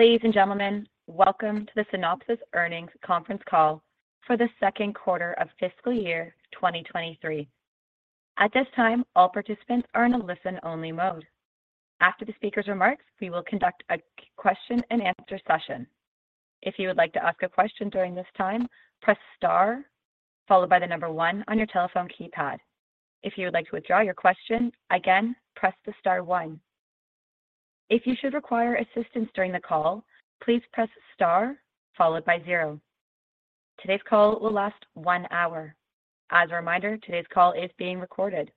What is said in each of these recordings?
Ladies and gentlemen, welcome to the Synopsys Earnings Conference Call for the Second Quarter of Fiscal Year 2023. At this time, all participants are in a listen-only mode. After the speaker's remarks, we will conduct a question-and-answer session. If you would like to ask a question during this time, press star followed by the one on your telephone keypad. If you would like to withdraw your question, again, press the star one. If you should require assistance during the call, please press star followed by zero. Today's call will last one hour. As a reminder, today's call is being recorded.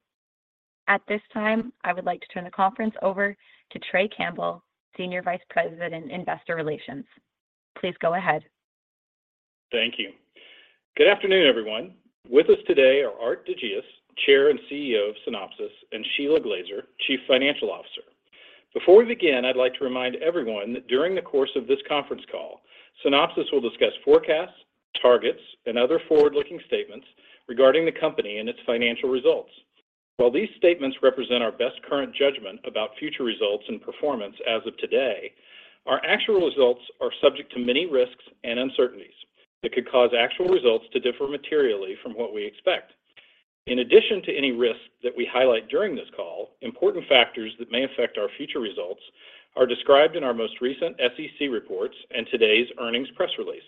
At this time, I would like to turn the conference over to Trey Campbell, Senior Vice President in Investor Relations. Please go ahead. Thank you. Good afternoon, everyone. With us today are Aart de Geus, Chair and CEO of Synopsys, and Shelagh Glaser, Chief Financial Officer. Before we begin, I'd like to remind everyone that during the course of this conference call, Synopsys will discuss forecasts, targets, and other forward-looking statements regarding the company and its financial results. While these statements represent our best current judgment about future results and performance as of today, our actual results are subject to many risks and uncertainties that could cause actual results to differ materially from what we expect. Important factors that may affect our future results are described in our most recent SEC reports and today's earnings press release.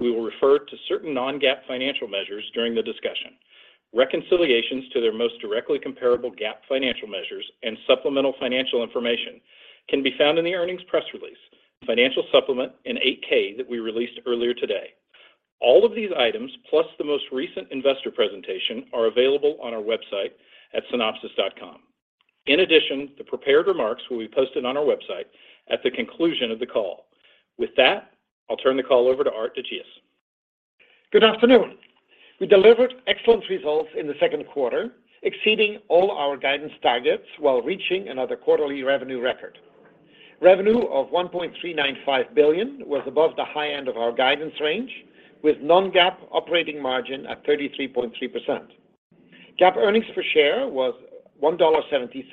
We will refer to certain non-GAAP financial measures during the discussion. Reconciliations to their most directly comparable GAAP financial measures and supplemental financial information can be found in the earnings press release, financial supplement, and 8-K that we released earlier today. All of these items, plus the most recent investor presentation, are available on our website at synopsys.com. In addition, the prepared remarks will be posted on our website at the conclusion of the call. With that, I'll turn the call over to Aart de Geus. Good afternoon. We delivered excellent results in the second quarter, exceeding all our guidance targets while reaching another quarterly revenue record. Revenue of $1.395 billion was above the high end of our guidance range, with non-GAAP operating margin at 33.3%. GAAP earnings per share was $1.76,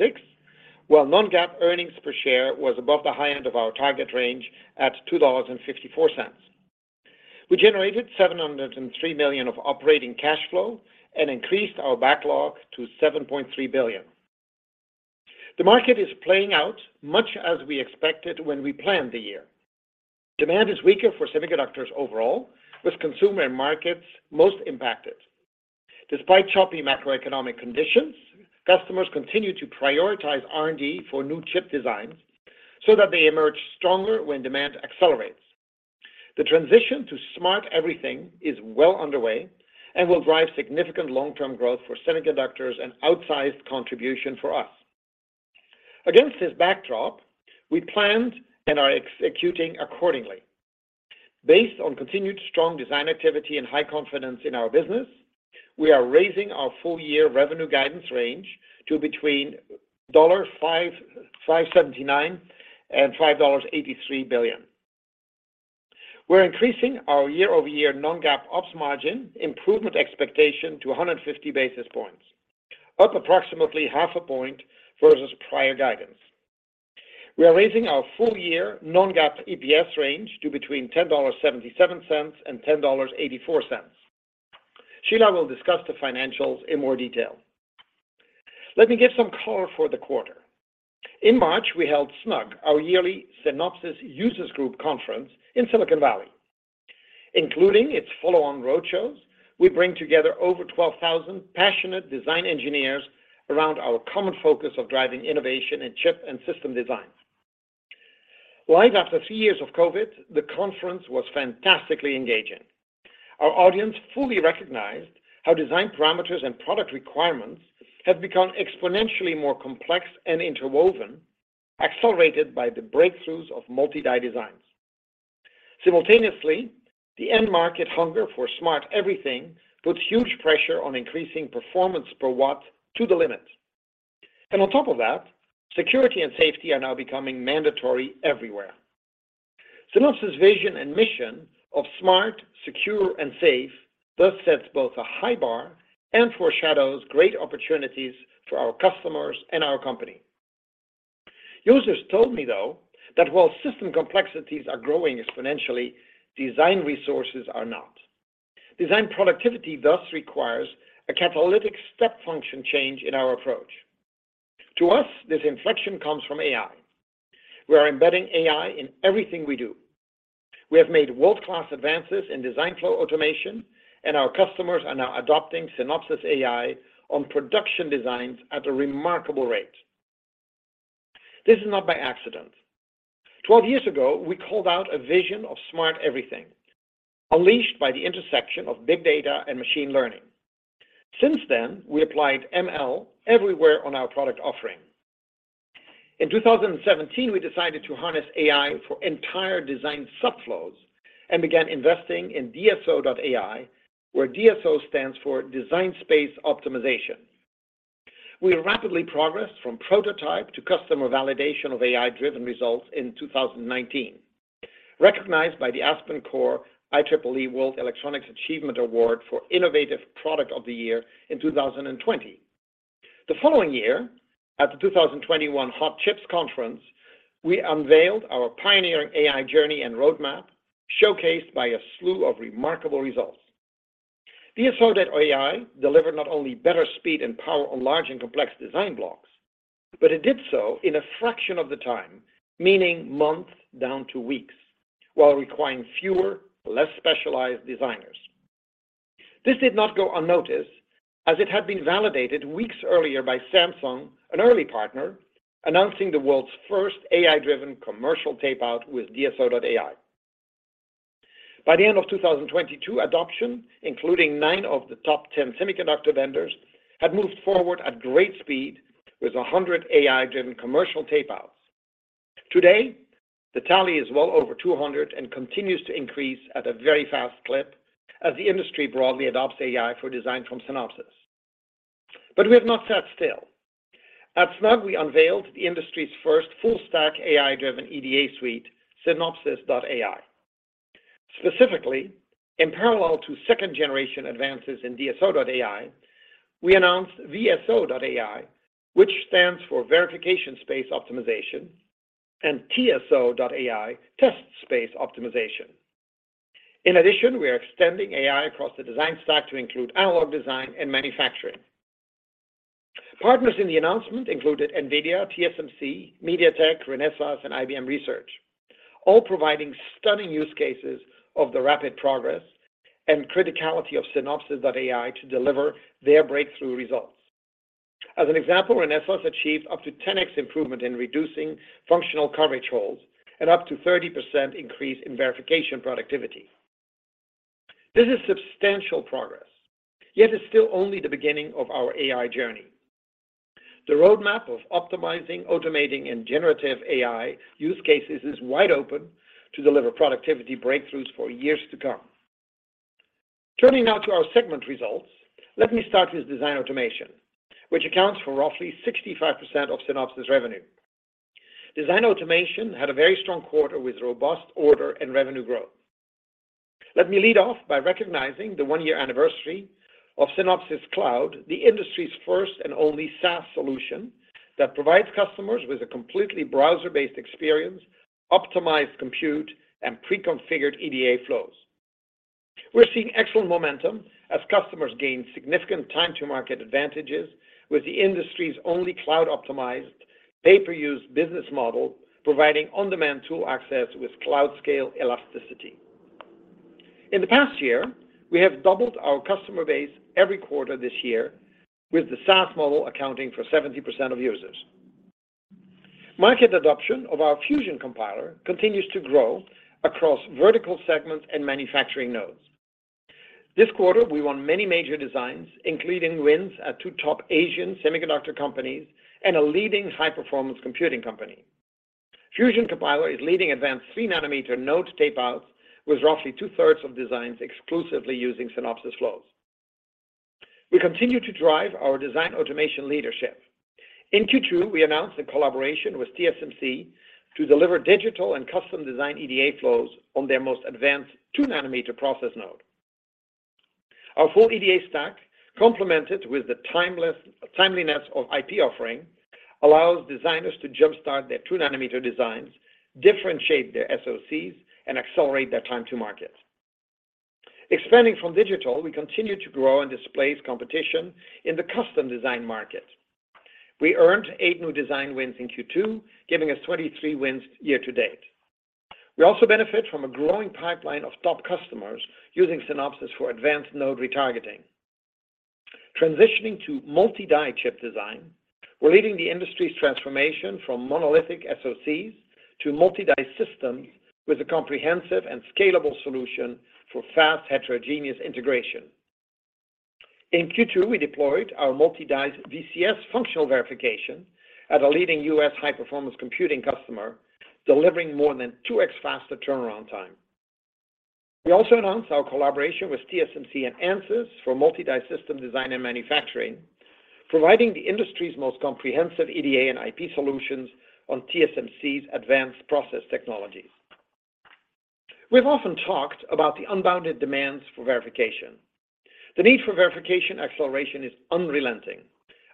while non-GAAP earnings per share was above the high end of our target range at $2.54. We generated $703 million of operating cash flow and increased our backlog to $7.3 billion. The market is playing out much as we expected when we planned the year. Demand is weaker for semiconductors overall, with consumer markets most impacted. Despite choppy macroeconomic conditions, customers continue to prioritize R&D for new chip designs so that they emerge stronger when demand accelerates. The transition to smart everything is well underway and will drive significant long-term growth for semiconductors and outsized contribution for us. Against this backdrop, we planned and are executing accordingly. Based on continued strong design activity and high confidence in our business, we are raising our full year revenue guidance range to between $5.579 billion and $5.83 billion. We're increasing our year-over-year non-GAAP operating margin improvement expectation to 150 basis points, up approximately half a point versus prior guidance. We are raising our full year non-GAAP EPS range to between $10.77 and $10.84. Sheila will discuss the financials in more detail. Let me give some color for the quarter. In March, we held SNUG, our yearly Synopsys Users Group conference in Silicon Valley. Including its follow-on roadshows, we bring together over 12,000 passionate design engineers around our common focus of driving innovation in chip and system design. Live after three years of COVID, the conference was fantastically engaging. Our audience fully recognized how design parameters and product requirements have become exponentially more complex and interwoven, accelerated by the breakthroughs of multi-die designs. Simultaneously, the end market hunger for smart everything puts huge pressure on increasing performance per watt to the limit. On top of that, security and safety are now becoming mandatory everywhere. Synopsys' vision and mission of smart, secure, and safe thus sets both a high bar and foreshadows great opportunities for our customers and our company. Users told me, though, that while system complexities are growing exponentially, design resources are not. Design productivity thus requires a catalytic step function change in our approach. To us, this inflection comes from AI. We are embedding AI in everything we do. We have made world-class advances in design flow automation. Our customers are now adopting Synopsys AI on production designs at a remarkable rate. This is not by accident. 12 years ago, we called out a vision of smart everything, unleashed by the intersection of big data and machine learning. Since then, we applied ML everywhere on our product offering. In 2017, we decided to harness AI for entire design subflows and began investing in DSO.ai, where DSO stands for Design Space Optimization. We rapidly progressed from prototype to customer validation of AI-driven results in 2019. Recognized by the AspenCore World Electronics Achievement Award for Innovative Product of the Year in 2020. The following year, at the 2021 Hot Chips conference, we unveiled our pioneering AI journey and roadmap, showcased by a slew of remarkable results. DSO.ai delivered not only better speed and power on large and complex design blocks, but it did so in a fraction of the time, meaning months down to weeks, while requiring fewer, less specialized designers. This did not go unnoticed, as it had been validated weeks earlier by Samsung, an early partner, announcing the world's first AI-driven commercial tape-out with DSO.ai. By the end of 2022, adoption, including nine of the top 10 semiconductor vendors, had moved forward at great speed with 100 AI-driven commercial tape-outs. Today, the tally is well over 200 and continues to increase at a very fast clip as the industry broadly adopts AI for design from Synopsys. We have not sat still. At SNUG, we unveiled the industry's first full-stack AI-driven EDA suite, Synopsys.ai. Specifically, in parallel to second-generation advances in DSO.ai, we announced VSO.ai, which stands for Verification Space Optimization, and TSO.ai, Test Space Optimization. In addition, we are extending AI across the design stack to include analog design and manufacturing. Partners in the announcement included NVIDIA, TSMC, MediaTek, Renesas, and IBM Research, all providing stunning use cases of the rapid progress and criticality of Synopsys.ai to deliver their breakthrough results. As an example, Renesas achieved up to 10x improvement in reducing functional coverage holes and up to 30% increase in verification productivity. This is substantial progress, yet it's still only the beginning of our AI journey. The roadmap of optimizing, automating, and generative AI use cases is wide open to deliver productivity breakthroughs for years to come. Turning now to our segment results, let me start with design automation, which accounts for roughly 65% of Synopsys revenue. Design automation had a very strong quarter with robust order and revenue growth. Let me lead off by recognizing the one year anniversary of Synopsys Cloud, the industry's first and only SaaS solution that provides customers with a completely browser-based experience, optimized compute, and pre-configured EDA flows. We're seeing excellent momentum as customers gain significant time to market advantages with the industry's only cloud-optimized, pay-per-use business model, providing on-demand tool access with cloud-scale elasticity. In the past year, we have doubled our customer base every quarter this year with the SaaS model accounting for 70% of users. Market adoption of our Fusion Compiler continues to grow across vertical segments and manufacturing nodes. This quarter, we won many major designs, including wins at two top Asian semiconductor companies and a leading high-performance computing company. Fusion Compiler is leading advanced three nanometer node tape-outs with roughly two-thirds of designs exclusively using Synopsys flows. We continue to drive our design automation leadership. In Q2, we announced a collaboration with TSMC to deliver digital and custom design EDA flows on their most advanced two nanometer process node. Our full EDA stack, complemented with the timeliness of IP offering, allows designers to jump-start their two nanometer designs, differentiate their SOCs, and accelerate their time to market. Expanding from digital, we continue to grow and displace competition in the custom design market. We earned 8 new design wins in Q2, giving us 23 wins year-to-date. We also benefit from a growing pipeline of top customers using Synopsys for advanced node retargeting. Transitioning to multi-die chip design, we're leading the industry's transformation from monolithic SOCs to multi-die systems with a comprehensive and scalable solution for fast heterogeneous integration. In Q2, we deployed our multi-die VCS functional verification at a leading U.S. high-performance computing customer, delivering more than 2x faster turnaround time. We also announced our collaboration with TSMC and Ansys for multi-die system design and manufacturing, providing the industry's most comprehensive EDA and IP solutions on TSMC's advanced process technologies. We've often talked about the unbounded demands for verification. The need for verification acceleration is unrelenting.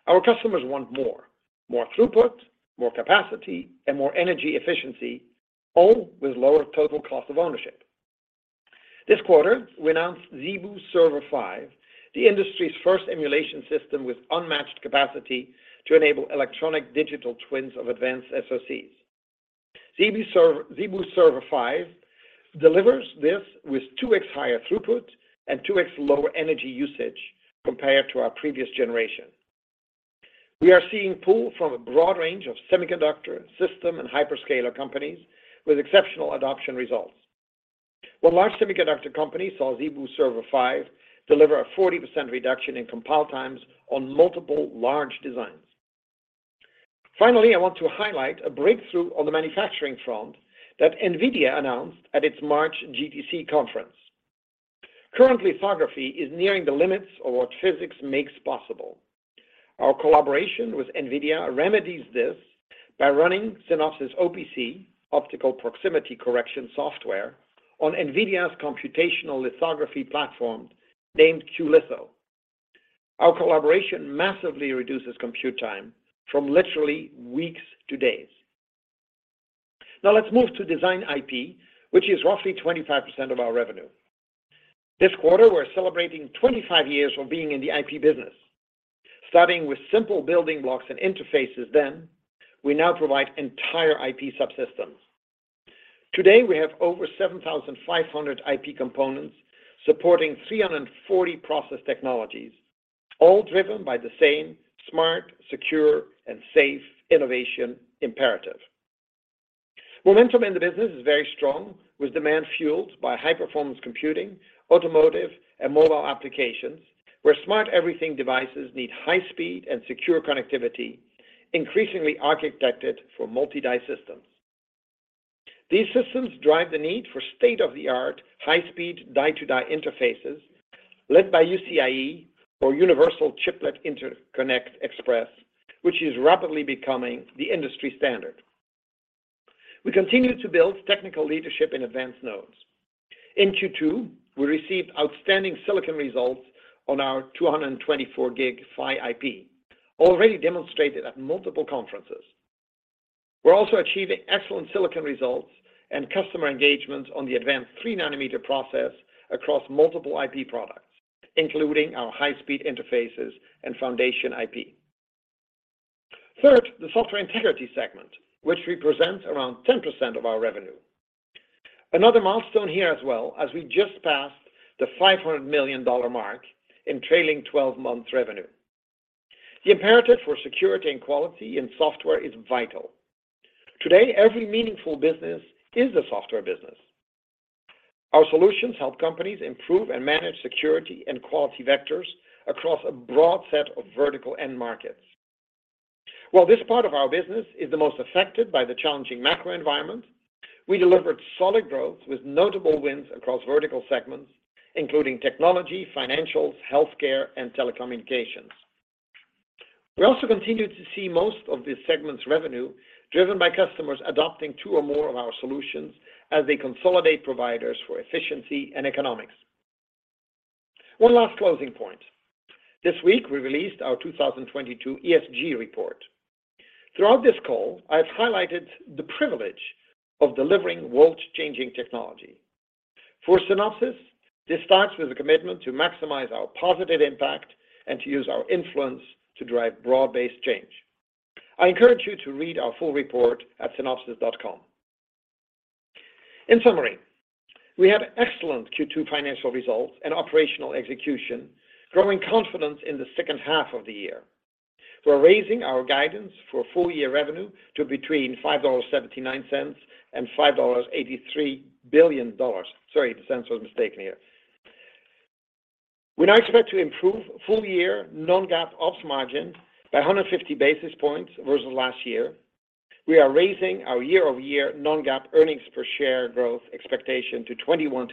Our customers want more, more throughput, more capacity, and more energy efficiency, all with lower total cost of ownership. This quarter, we announced ZeBu Server 5, the industry's first emulation system with unmatched capacity to enable electronics digital twins of advanced SoCs. ZeBu Server 5 delivers this with 2x higher throughput and 2x lower energy usage compared to our previous generation. We are seeing pull from a broad range of semiconductor system and hyperscaler companies with exceptional adoption results. One large semiconductor company saw ZeBu Server 5 deliver a 40% reduction in compile times on multiple large designs. Finally, I want to highlight a breakthrough on the manufacturing front that NVIDIA announced at its March GTC conference. Current lithography is nearing the limits of what physics makes possible. Our collaboration with NVIDIA remedies this, by running Synopsys OPC optical proximity correction software on NVIDIA's computational lithography platform named cuLitho. Our collaboration massively reduces compute time from literally weeks to days. Let's move to design IP, which is roughly 25% of our revenue. This quarter, we're celebrating 25 years of being in the IP business. Starting with simple building blocks and interfaces then, we now provide entire IP subsystems. Today, we have over 7,500 IP components supporting 340 process technologies, all driven by the same smart, secure, and safe innovation imperative. Momentum in the business is very strong, with demand fueled by high-performance computing, automotive, and mobile applications, where smart everything devices need high speed and secure connectivity, increasingly architected for multi-die systems. These systems drive the need for state-of-the-art high-speed die-to-die interfaces led by UCIe, or Universal Chiplet Interconnect Express, which is rapidly becoming the industry standard. We continue to build technical leadership in advanced nodes. In Q2, we received outstanding silicon results on our 224G PHY IP, already demonstrated at multiple conferences. We're also achieving excellent silicon results and customer engagement on the advanced 3 nanometer process across multiple IP products, including our high-speed interfaces and Foundation IP. Third, the Software Integrity segment, which represents around 10% of our revenue. Another milestone here as well, as we just passed the $500 million mark in trailing 12 months revenue. The imperative for security and quality in software is vital. Today, every meaningful business is a software business. Our solutions help companies improve and manage security and quality vectors across a broad set of vertical end markets. While this part of our business is the most affected by the challenging macro environment, we delivered solid growth with notable wins across vertical segments, including technology, financials, healthcare, and telecommunications. We also continued to see most of this segment's revenue driven by customers adopting two or more of our solutions as they consolidate providers for efficiency and economics. One last closing point. This week we released our 2022 ESG report. Throughout this call, I have highlighted the privilege of delivering world-changing technology. For Synopsys, this starts with a commitment to maximize our positive impact and to use our influence to drive broad-based change. I encourage you to read our full report at synopsys.com. In summary, we had excellent Q2 financial results and operational execution, growing confidence in the second half of the year. We're raising our guidance for full year revenue to between $5.79 billion and $5.83 billion. Sorry, the cents was mistaken here. We now expect to improve full-year non-GAAP ops margin by 150 basis points versus last year. We are raising our year-over-year non-GAAP earnings per share growth expectation to 21%-22%.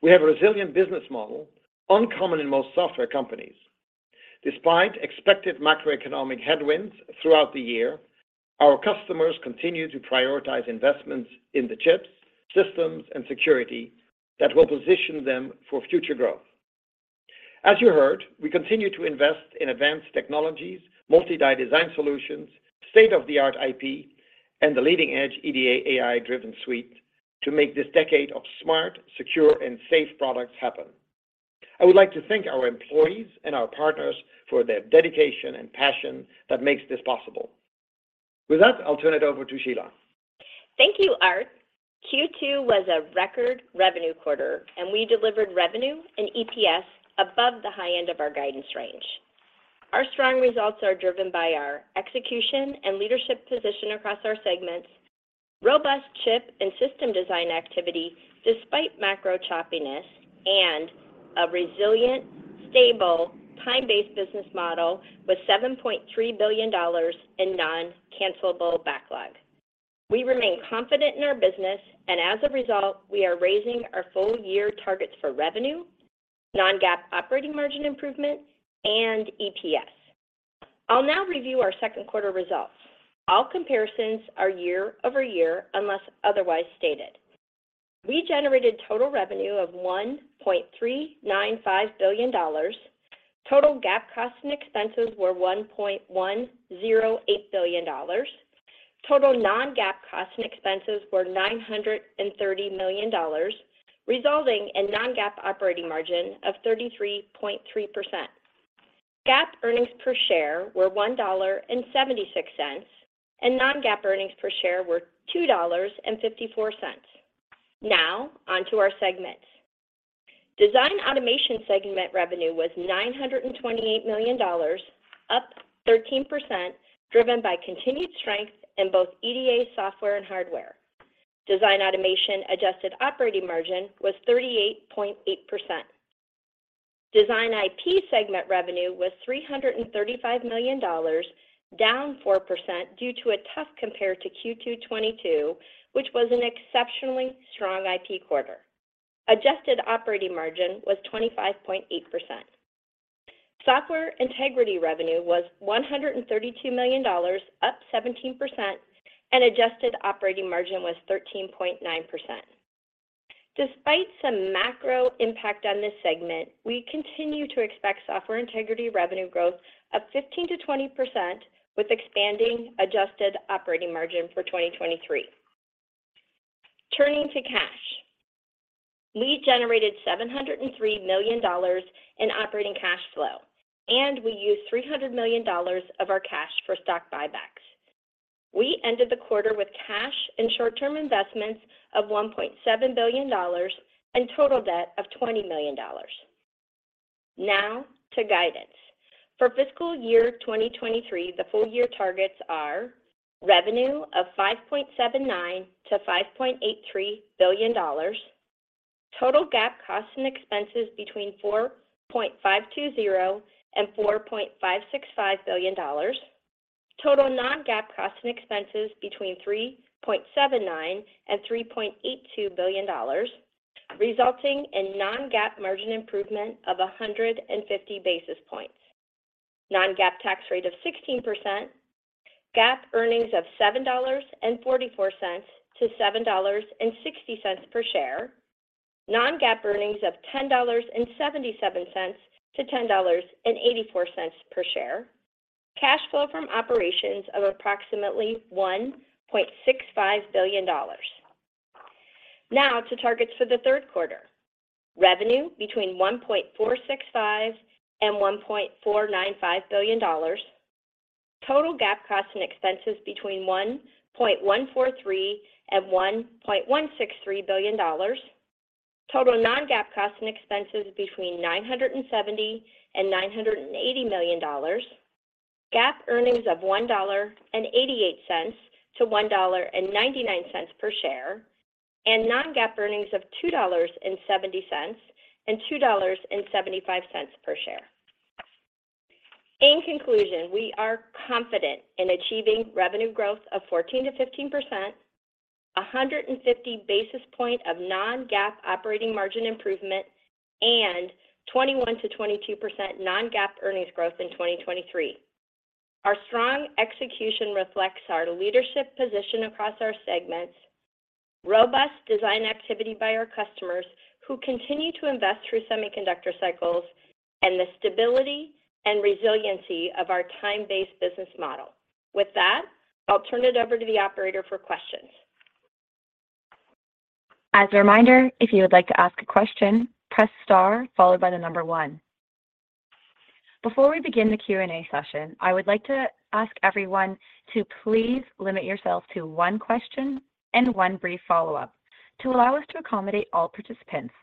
We have a resilient business model, uncommon in most software companies. Despite expected macroeconomic headwinds throughout the year, our customers continue to prioritize investments in the chips, systems, and security that will position them for future growth. As you heard, we continue to invest in advanced technologies, multi-die design solutions, state-of-the-art IP, and the leading-edge EDA AI-driven suite to make this decade of smart, secure, and safe products happen. I would like to thank our employees and our partners for their dedication and passion that makes this possible. With that, I'll turn it over to Shelagh. Thank you, Aart. Q2 was a record revenue quarter, and we delivered revenue and EPS above the high end of our guidance range. Our strong results are driven by our execution and leadership position across our segments, robust chip and system design activity despite macro choppiness, and a resilient, stable, time-based business model with $7.3 billion in non-cancellable backlog. We remain confident in our business and, as a result, we are raising our full year targets for revenue, non-GAAP operating margin improvement, and EPS. I'll now review our second quarter results. All comparisons are year-over-year unless otherwise stated. We generated total revenue of $1.395 billion. Total GAAP costs and expenses were $1.108 billion. Total non-GAAP costs and expenses were $930 million, resulting in non-GAAP operating margin of 33.3%. GAAP earnings per share were $1.76, and non-GAAP earnings per share were $2.54. On to our segments. Design automation segment revenue was $928 million, up 13%, driven by continued strength in both EDA software and hardware. Design automation adjusted operating margin was 38.8%. Design IP segment revenue was $335 million, down 4% due to a tough compare to Q2 2022, which was an exceptionally strong IP quarter. Adjusted operating margin was 25.8%. Software Integrity revenue was $132 million, up 17%, and adjusted operating margin was 13.9%. Despite some macro impact on this segment, we continue to expect Software Integrity revenue growth of 15%-20% with expanding adjusted operating margin for 2023. Turning to cash. We generated $703 million in operating cash flow. We used $300 million of our cash for stock buybacks. We ended the quarter with cash and short-term investments of $1.7 billion and total debt of $20 million. Now to guidance. For fiscal year 2023, the full year targets are revenue of $5.79 billion-$5.83 billion. Total GAAP costs and expenses between $4.520 billion and $4.565 billion. Total non-GAAP costs and expenses between $3.79 billion and $3.82 billion, resulting in non-GAAP margin improvement of 150 basis points. Non-GAAP tax rate of 16%. GAAP earnings of $7.44-$7.60 per share. Non-GAAP earnings of $10.77-$10.84 per share. Cash flow from operations of approximately $1.65 billion. To targets for the third quarter. Revenue between $1.465 billion and $1.495 billion. Total GAAP costs and expenses between $1.143 billion and $1.163 billion. Total non-GAAP costs and expenses between $970 million and $980 million. GAAP earnings of $1.88-$1.99 per share. Non-GAAP earnings of $2.70-$2.75 per share. In conclusion, we are confident in achieving revenue growth of 14%-15%, 150 basis points of non-GAAP operating margin improvement, and 21%-22% non-GAAP earnings growth in 2023. Our strong execution reflects our leadership position across our segments, robust design activity by our customers who continue to invest through semiconductor cycles, and the stability and resiliency of our time-based business model. With that, I'll turn it over to the operator for questions. As a reminder, if you would like to ask a question, press star followed by the number one. Before we begin the Q&A session, I would like to ask everyone to please limit yourself to one question and one brief follow-up to allow us to accommodate all participants.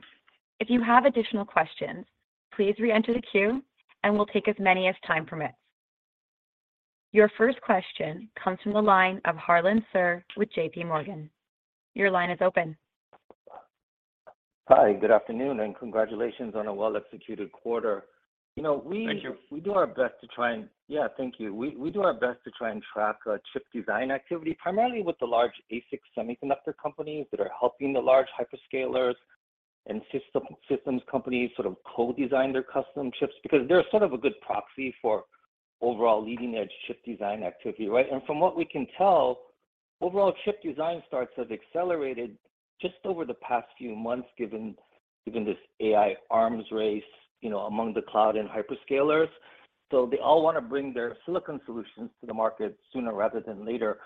If you have additional questions, please re-enter the queue and we'll take as many as time permits. Your first question comes from the line of Harlan Sur with JPMorgan. Your line is open. Hi, good afternoon, and congratulations on a well-executed quarter. Thank you. You know, we do our best to try and. Yeah thank you. We do our best to try and track chip design activity, primarily with the large ASIC semiconductor companies that are helping the large hyperscalers and systems companies sort of co-design their custom chips because they're sort of a good proxy for overall leading-edge chip design activity, right? From what we can tell, overall chip design starts have accelerated just over the past few months given this AI arms race, you know, among the cloud and hyperscalers. They all wanna bring their silicon solutions to the market sooner rather than later.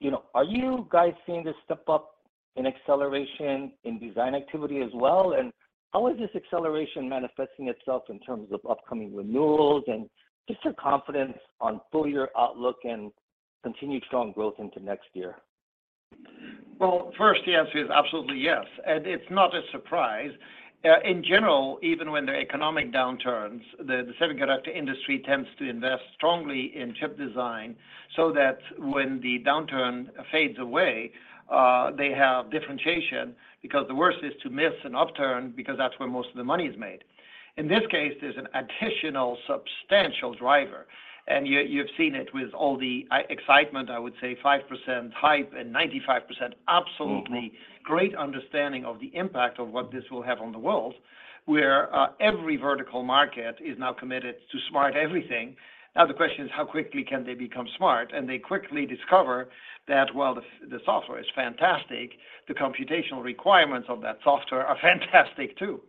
You know, are you guys seeing this step up in acceleration in design activity as well? How is this acceleration manifesting itself in terms of upcoming renewals, and just your confidence on full-year outlook and continued strong growth into next year? Well, first, the answer is absolutely yes. It's not a surprise. In general, even when there are economic downturns, the semiconductor industry tends to invest strongly in chip design so that when the downturn fades away, they have differentiation because the worst is to miss an upturn because that's where most of the money is made. In this case, there's an additional substantial driver. You've seen it with all the excitement, I would say, 5% hype and 95% absolutely great understanding of the impact of what this will have on the world, where every vertical market is now committed to smart everything. Now the question is how quickly can they become smart? They quickly discover that while the software is fantastic, the computational requirements of that software are fantastic too.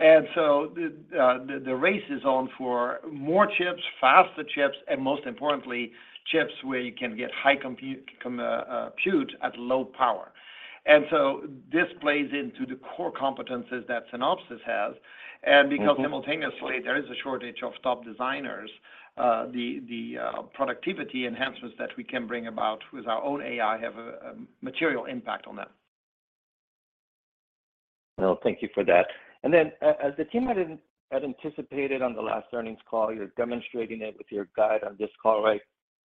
The race is on for more chips, faster chips, and most importantly, chips where you can get high compute at low power. This plays into the core competencies that Synopsys has. Because simultaneously there is a shortage of top designers, the productivity enhancements that we can bring about with our own AI have a material impact on that. Well, thank you for that. As the team had anticipated on the last earnings call, you're demonstrating it with your guide on this call, right?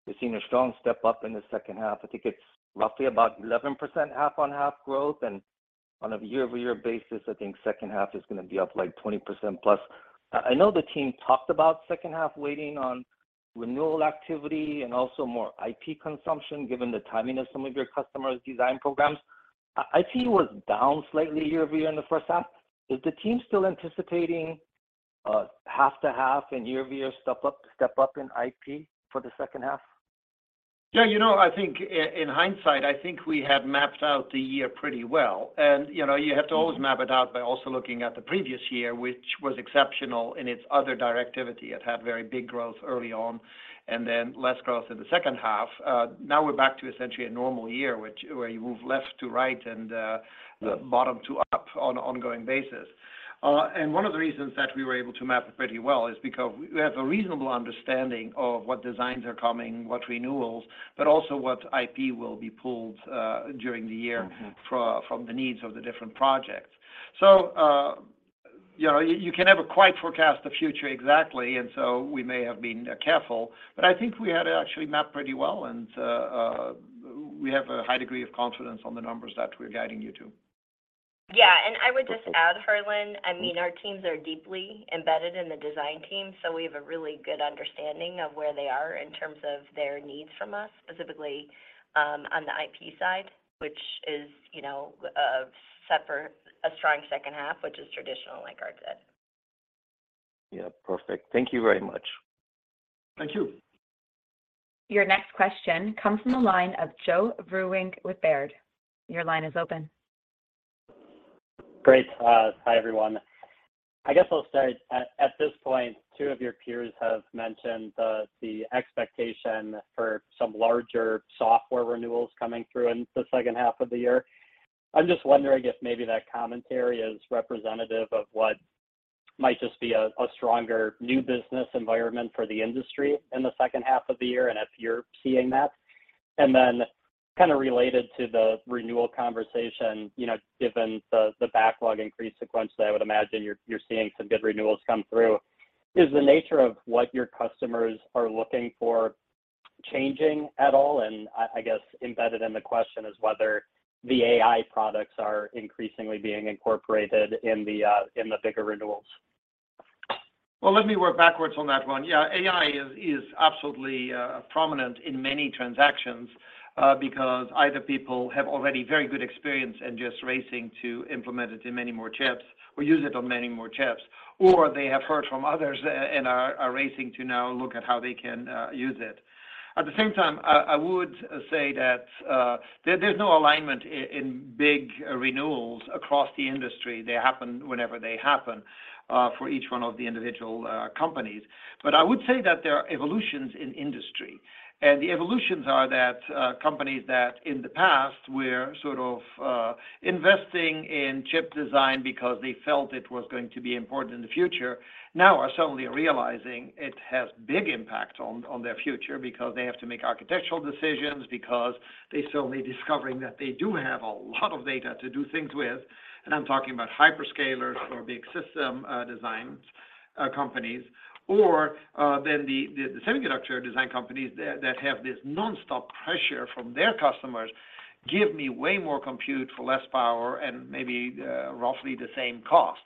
You've seen a strong step up in the second half. I think it's roughly about 11% half-on-half growth. On a year-over-year basis, I think second half is gonna be up like 20% plus. I know the team talked about second half waiting on renewal activity and also more IP consumption, given the timing of some of your customers' design programs. IP was down slightly year-over-year in the first half. Is the team still anticipating half to half in year-over-year step up in IP for the second half? Yeah. You know, I think in hindsight, I think we had mapped out the year pretty well. You know, you have to always map it out by also looking at the previous year, which was exceptional in its other directivity. It had very big growth early on and then less growth in the second half. Now we're back to essentially a normal year, which where you move left to right and bottom to up on an ongoing basis. One of the reasons that we were able to map it pretty well is because we have a reasonable understanding of what designs are coming, what renewals, but also what IP will be pulled during the year from the needs of the different projects. you know, you can never quite forecast the future exactly, we may have been careful. I think we had it actually mapped pretty well and we have a high degree of confidence on the numbers that we're guiding you to. Yeah. I would just add, Harlan, I mean, our teams are deeply embedded in the design team, so we have a really good understanding of where they are in terms of their needs from us, specifically, on the IP side, which is, you know, a strong second half, which is traditional like Aart said. Yeah. Perfect. Thank you very much. Thank you. Your next question comes from the line of Joe Vruwink with Baird. Your line is open. Great. Hi, everyone. I guess I'll start. At this point, two of your peers have mentioned the expectation for some larger software renewals coming through in the second half of the year. I'm just wondering if maybe that commentary is representative of what might just be a stronger new business environment for the industry in the second half of the year, and if you're seeing that. Kind of related to the renewal conversation, you know, given the backlog increase sequentially, I would imagine you're seeing some good renewals come through. Is the nature of what your customers are looking for changing at all? I guess embedded in the question is whether the AI products are increasingly being incorporated in the bigger renewals. Well, let me work backwards on that one. Yeah, AI is absolutely prominent in many transactions, because either people have already very good experience and just racing to implement it in many more chips or use it on many more chips, or they have heard from others and are racing to now look at how they can use it. At the same time, I would say that there's no alignment in big renewals across the industry. They happen whenever they happen for each one of the individual companies. I would say that there are evolutions in industry, and the evolutions are that, companies that in the past were sort of, investing in chip design because they felt it was going to be important in the future now are suddenly realizing it has big impact on their future because they have to make architectural decisions, because they're suddenly discovering that they do have a lot of data to do things with. I'm talking about hyperscalers or big system design companies, or then the semiconductor design companies that have this nonstop pressure from their customers, "Give me way more compute for less power and maybe roughly the same cost."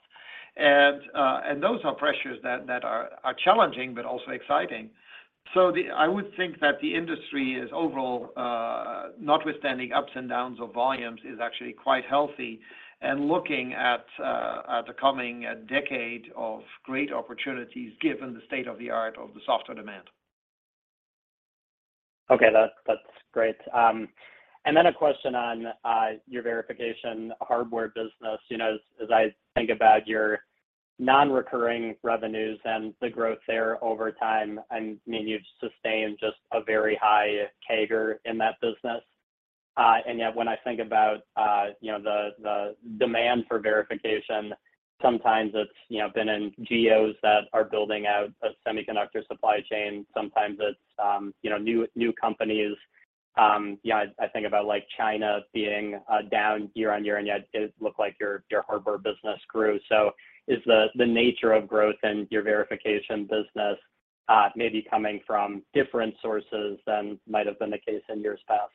Those are pressures that are challenging but also exciting. I would think that the industry is overall, notwithstanding ups and downs of volumes, is actually quite healthy and looking at the coming decade of great opportunities given the state-of-the-art of the software demand. Okay. That's great. And then a question on your verification hardware business. You know, as I think about your non-recurring revenues and the growth there over time, I mean, you've sustained just a very high CAGR in that business. And yet when I think about, you know, the demand for verification, sometimes it's, you know, been in geos that are building out a semiconductor supply chain. Sometimes it's, you know, new companies. You know, I think about like China being down year-on-year, and yet it looked like your hardware business grew. Is the nature of growth in your verification business maybe coming from different sources than might have been the case in years past?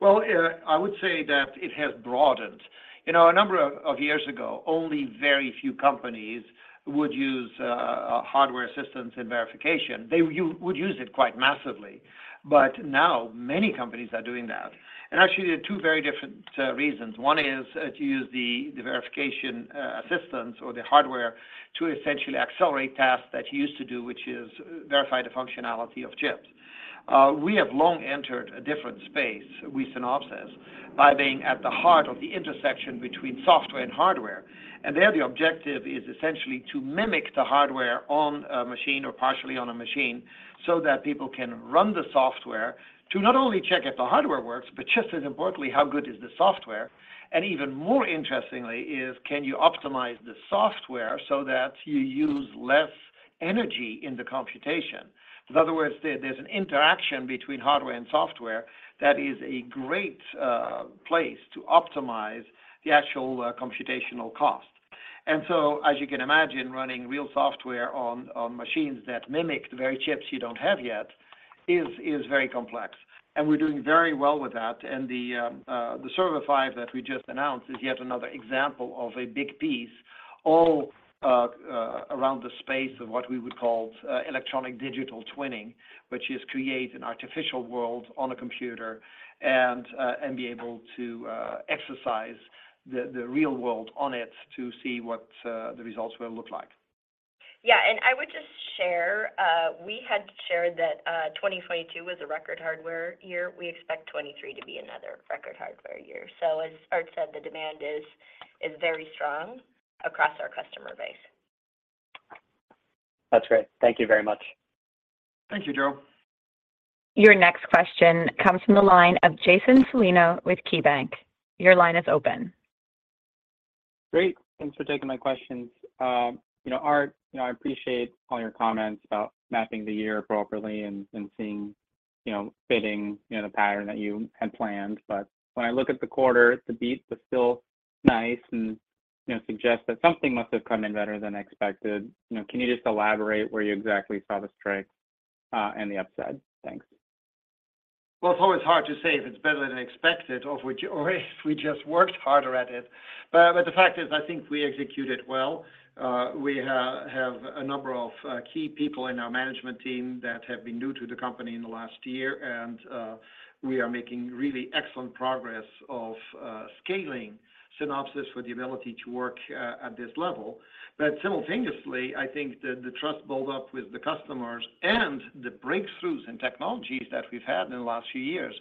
Well, I would say that it has broadened. You know, a number of years ago, only very few companies would use hardware assistance in verification. They would use it quite massively. Now many companies are doing that, and actually there are two very different reasons. One is to use the verification assistance or the hardware to essentially accelerate tasks that you used to do, which is verify the functionality of chips. We have long entered a different space with Synopsys by being at the heart of the intersection between software and hardware. There, the objective is essentially to mimic the hardware on a machine or partially on a machine so that people can run the software to not only check if the hardware works, but just as importantly, how good is the software. Even more interestingly is can you optimize the software so that you use less energy in the computation? In other words, there's an interaction between hardware and software that is a great place to optimize the actual computational cost. As you can imagine, running real software on machines that mimic the very chips you don't have yet is very complex, and we're doing very well with that. The ZeBu Server 5 that we just announced is yet another example of a big piece all around the space of what we would call, electronic digital twinning, which is create an artificial world on a computer and be able to exercise the real world on it to see what the results will look like. Yeah. I would just share, we had shared that 2022 was a record hardware year. We expect 2023 to be another record hardware year. As Aart said, the demand is very strong across our customer base. That's great. Thank you very much. Thank you, Joe. Your next question comes from the line of Jason Celino with Keybanc. Your line is open. Great. Thanks for taking my questions. You know, Art, you know, I appreciate all your comments about mapping the year appropriately and seeing, you know, fitting, you know, the pattern that you had planned. When I look at the quarter, the beat was still nice and, you know, suggests that something must have come in better than expected. You know, can you just elaborate where you exactly saw the strength and the upside? Thanks. Well, it's always hard to say if it's better than expected or if we just worked harder at it. The fact is, I think we executed well. We have a number of key people in our management team that have been new to the company in the last year, and we are making really excellent progress of scaling Synopsys for the ability to work at this level. Simultaneously, I think the trust build up with the customers and the breakthroughs in technologies that we've had in the last few years,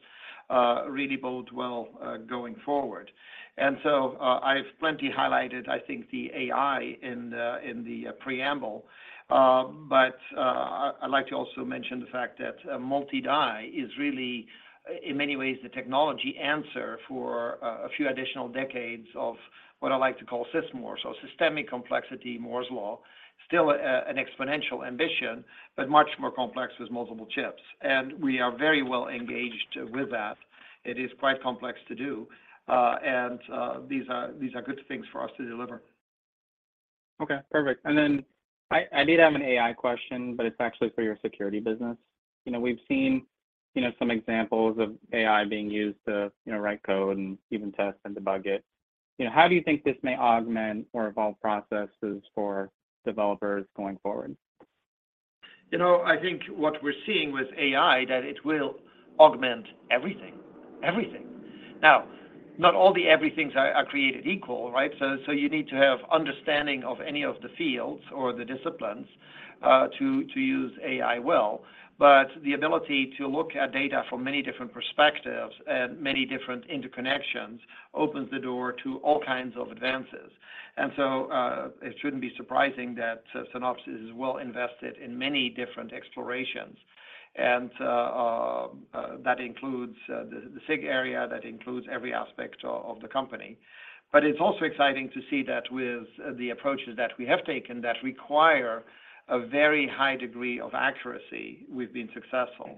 really bode well going forward. I've plenty highlighted, I think the AI in the preamble. I'd like to also mention the fact that multi-die is really in many ways the technology answer for a few additional decades of what I like to call SysMoore. Systemic complexity, Moore's Law, still an exponential ambition, but much more complex with multiple chips. We are very well engaged with that. It is quite complex to do, these are good things for us to deliver. Okay, perfect. I did have an AI question, but it's actually for your security business. You know, we've seen, you know, some examples of AI being used to, you know, write code and even test and debug it. You know, how do you think this may augment or evolve processes for developers going forward? You know, I think what we're seeing with AI, that it will augment everything. Everything. Now, not all the everythings are created equal, right? You need to have understanding of any of the fields or the disciplines to use AI well. The ability to look at data from many different perspectives and many different interconnections opens the door to all kinds of advances. It shouldn't be surprising that Synopsys is well invested in many different explorations. That includes the SIG area, that includes every aspect of the company. It's also exciting to see that with the approaches that we have taken that require a very high degree of accuracy, we've been successful.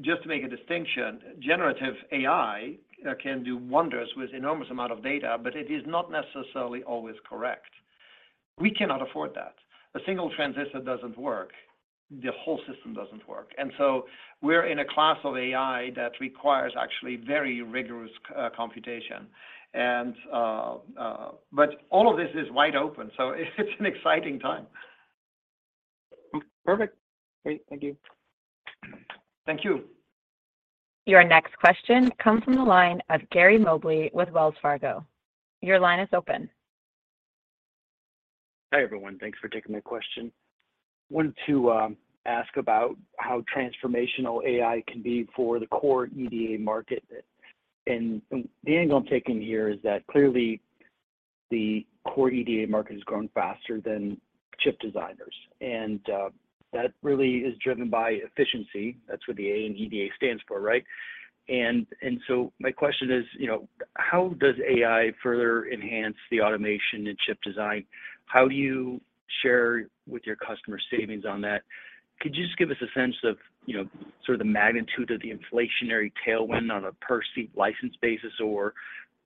Just to make a distinction, generative AI can do wonders with enormous amount of data, but it is not necessarily always correct. We cannot afford that. A single transistor doesn't work, the whole system doesn't work. We're in a class of AI that requires actually very rigorous computation. All of this is wide open, so it's an exciting time. Perfect. Great. Thank you. Thank you. Your next question comes from the line of Gary Mobley with Wells Fargo. Your line is open. Hi, everyone. Thanks for taking my question. Wanted to ask about how transformational AI can be for the core EDA market. The angle I'm taking here is that clearly the core EDA market has grown faster than chip designers, that really is driven by efficiency. That's what the A in EDA stands for, right? My question is, you know, how does AI further enhance the automation in chip design? How do you share with your customer savings on that? Could you just give us a sense of, you know, sort of the magnitude of the inflationary tailwind on a per seat license basis, or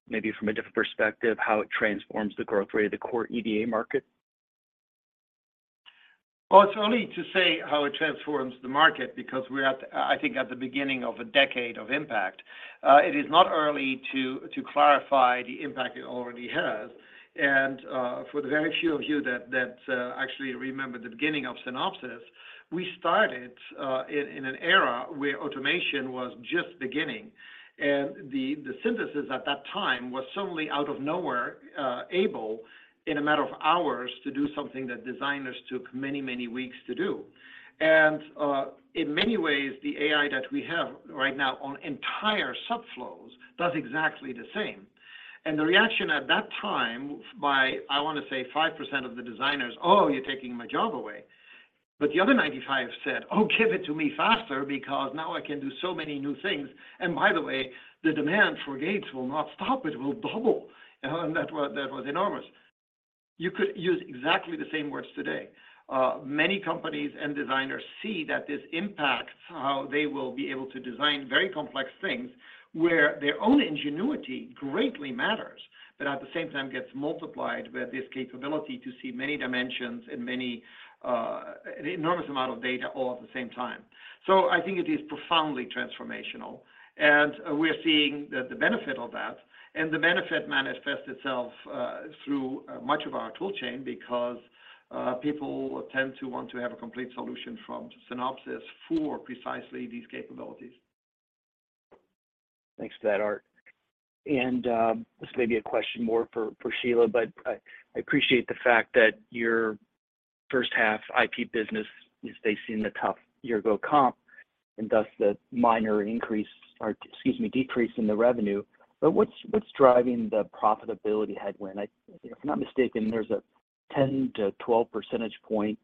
maybe from a different perspective, how it transforms the growth rate of the core EDA market? Well, it's only to say how it transforms the market because we're at, I think at the beginning of a decade of impact. It is not early to clarify the impact it already has. For the very few of you that, actually remember the beginning of Synopsys, we started in an era where automation was just beginning. The, the synthesis at that time was suddenly out of nowhere, able in a matter of hours to do something that designers took many, many weeks to do. In many ways, the AI that we have right now on entire subflows does exactly the same. The reaction at that time by, I wanna say 5% of the designers, "Oh, you're taking my job away." The other 95 said, "Oh, give it to me faster because now I can do so many new things. By the way, the demand for gates will not stop. It will double." That was enormous. You could use exactly the same words today. Many companies and designers see that this impactHow they will be able to design very complex things where their own ingenuity greatly matters, but at the same time gets multiplied with this capability to see many dimensions and many, an enormous amount of data all at the same time. I think it is profoundly transformational, and we're seeing the benefit of that and the benefit manifests itself through much of our tool chain because people tend to want to have a complete solution from Synopsys for precisely these capabilities. Thanks for that, Aart. This may be a question more for Shelagh, but I appreciate the fact that your first half IP business is facing a tough year go comp and thus the minor increase or, excuse me, decrease in the revenue. What's driving the profitability headwind? If I'm not mistaken, there's a 10-12 percentage point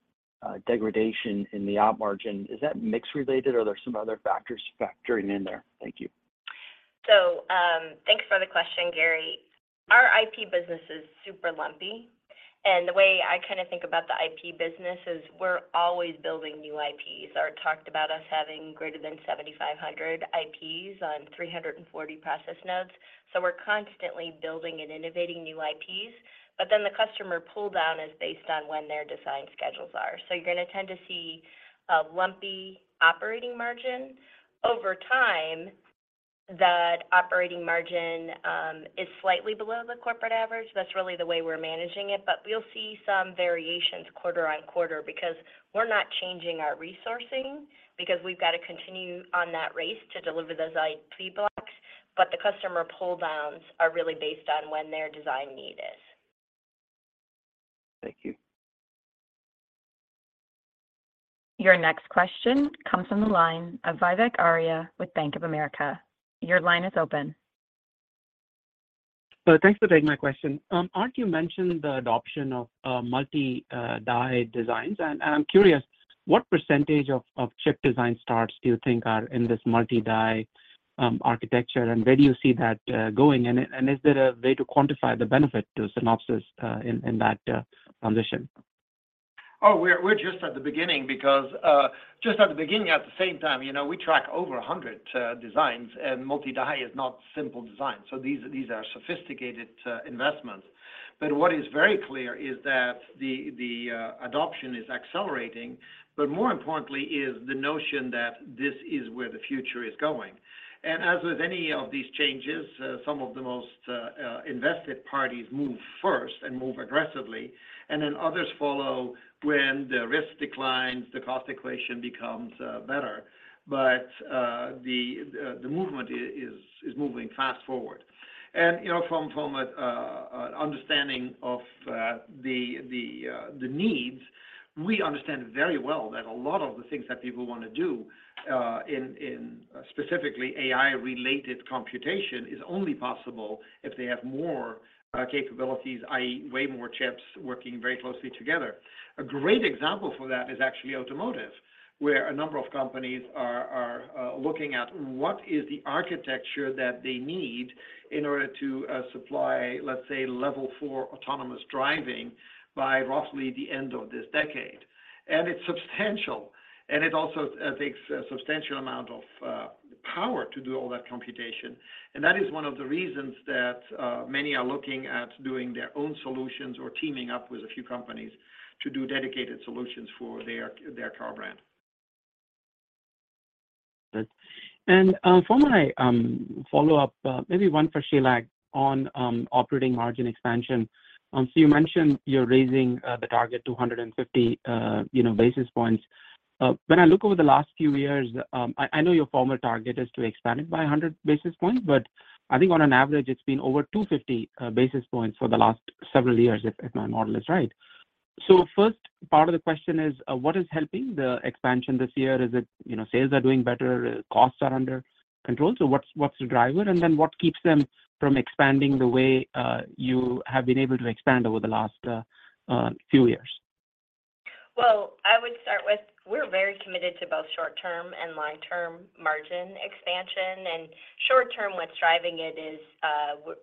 degradation in the op margin. Is that mix related or are there some other factors factoring in there? Thank you. Thanks for the question, Gary. Our IP business is super lumpy, and the way I kind of think about the IP business is we're always building new IPs. Art talked about us having greater than 7,500 IPs on 340 process nodes. We're constantly building and innovating new IPs, but then the customer pull-down is based on when their design schedules are. You're going to tend to see a lumpy operating margin. Over time, that operating margin is slightly below the corporate average. That's really the way we're managing it. We'll see some variations quarter-on-quarter because we're not changing our resourcing because we've got to continue on that race to deliver those IP blocks. The customer pull-downs are really based on when their design need is. Thank you. Your next question comes from the line of Vivek Arya with Bank of America. Your line is open. Thanks for taking my question. Aart, you mentioned the adoption of multi-die designs, and I'm curious what percentage of chip design starts do you think are in this multi-die architecture, and where do you see that going? Is there a way to quantify the benefit to Synopsys in that transition? We're just at the beginning because just at the beginning at the same time, you know, we track over 100 designs and multi-die is not simple design. These are sophisticated investments. What is very clear is that the adoption is accelerating, but more importantly is the notion that this is where the future is going. As with any of these changes, some of the most invested parties move first and move aggressively, and then others follow when the risk declines, the cost equation becomes better. The movement is moving fast forward. you know, from a understanding of the needs, we understand very well that a lot of the things that people want to do in specifically AI-related computation is only possible if they have more capabilities, i.e., way more chips working very closely together. A great example for that is actually automotive, where a number of companies are looking at what is the architecture that they need in order to supply, let's say, level four autonomous driving by roughly the end of this decade. It's substantial, and it also takes a substantial amount of power to do all that computation. That is one of the reasons that many are looking at doing their own solutions or teaming up with a few companies to do dedicated solutions for their car brand. Good. For my follow-up, maybe one for Shelagh on operating margin expansion. You mentioned you're raising the target 250, you know, basis points. When I look over the last few years, I know your former target is to expand it by 100 basis points, but I think on an average it's been over 250 basis points for the last several years, if my model is right. First part of the question is, what is helping the expansion this year? Is it, you know, sales are doing better, costs are under control? What's the driver? What keeps them from expanding the way you have been able to expand over the last few years? Well, I would start with we're very committed to both short-term and long-term margin expansion. Short term, what's driving it is,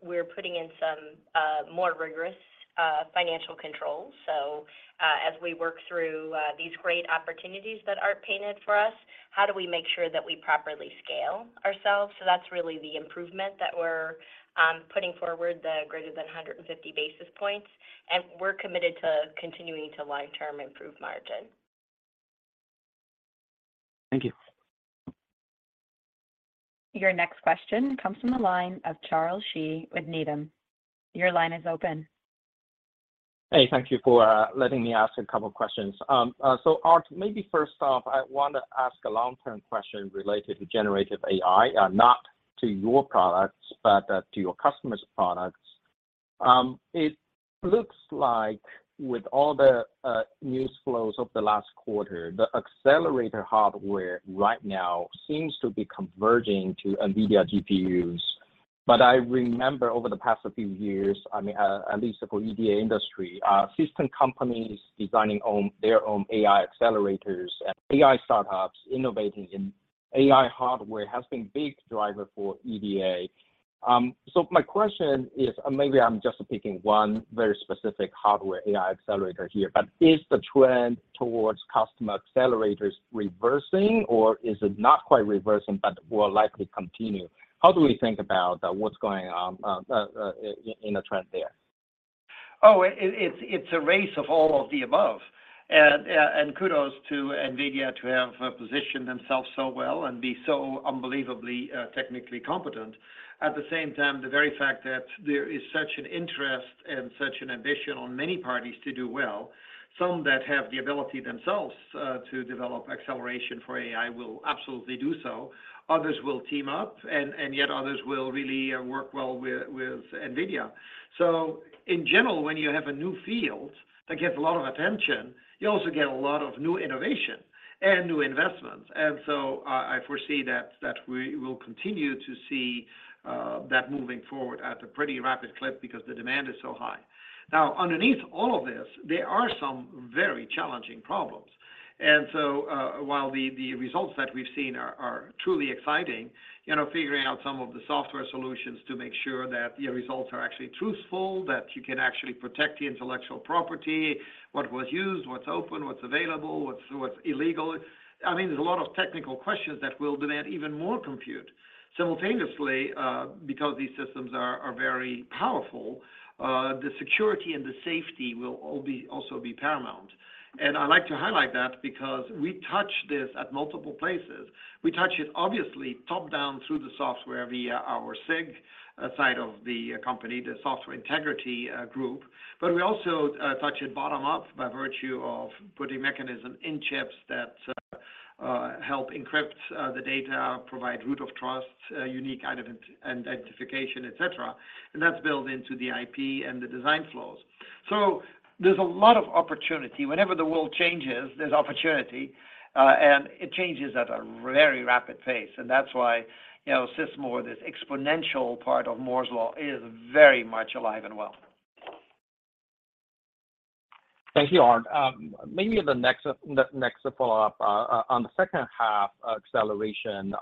we're putting in some more rigorous financial controls. As we work through these great opportunities that Art painted for us, how do we make sure that we properly scale ourselves? That's really the improvement that we're putting forward, the greater than 150 basis points. We're committed to continuing to long-term improve margin. Thank you. Your next question comes from the line of Charles Shi with Needham. Your line is open. Hey, thank you for letting me ask a couple questions. So Art, maybe first off, I want to ask a long-term question related to generative AI, not to your products, but to your customers' products. It looks like with all the news flows over the last quarter, the accelerator hardware right now seems to be converging to NVIDIA GPUs. I remember over the past few years, I mean, at least for EDA industry, system companies designing their own AI accelerators and AI startups innovating in AI hardware has been big driver for EDA. My question is, and maybe I'm just picking one very specific hardware AI accelerator here, but is the trend towards customer accelerators reversing or is it not quite reversing but will likely continue? How do we think about what's going on in the trend there? It's a race of all of the above. Kudos to NVIDIA to have positioned themselves so well and be so unbelievably technically competent. At the same time, the very fact that there is such an interest and such an ambition on many parties to do well, some that have the ability themselves to develop acceleration for AI will absolutely do so. Others will team up, and yet others will really work well with NVIDIA. In general, when you have a new field that gets a lot of attention, you also get a lot of new innovation and new investments. I foresee that we will continue to see that moving forward at a pretty rapid clip because the demand is so high. Now, underneath all of this, there are some very challenging problems. While the results that we've seen are truly exciting, you know, figuring out some of the software solutions to make sure that your results are actually truthful, that you can actually protect the intellectual property, what was used, what's open, what's available, what's illegal. I mean, there's a lot of technical questions that will demand even more compute simultaneously, because these systems are very powerful, the security and the safety will also be paramount. I like to highlight that because we touch this at multiple places. We touch it obviously top-down through the software via our SIG side of the company, the Software Integrity group. We also touch it bottom up by virtue of putting mechanism in chips that help encrypt the data, provide root of trust, a unique identification, et cetera. That's built into the IP and the design flows. There's a lot of opportunity. Whenever the world changes, there's opportunity, and it changes at a very rapid pace. That's why, you know, SysMoore, this exponential part of Moore's Law is very much alive and well. Thank you, Aart. Maybe the next follow-up on the second half acceleration,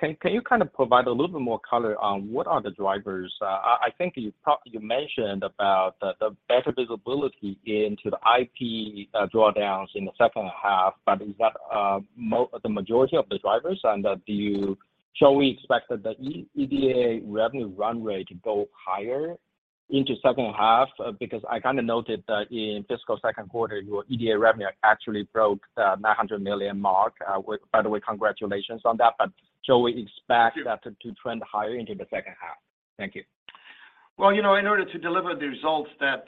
can you kind of provide a little bit more color on what are the drivers? I think you mentioned about the better visibility into the IP drawdowns in the second half, but is that the majority of the drivers? Shall we expect that the EDA revenue run rate to go higher into second half? I kinda noted that in fiscal second quarter, your EDA revenue actually broke the $900 million mark. Which by the way, congratulations on that. Shall we expect- Thank you. That to trend higher into the second half? Thank you. Well, you know, in order to deliver the results that